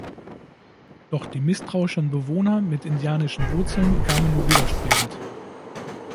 Doch die misstrauischen Bewohner mit indianischen Wurzeln kamen nur widerstrebend.